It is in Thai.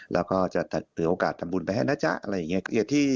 แล้วก็จะถือโอกาสทำบุญไปให้นะจ๊ะอะไรอย่างนี้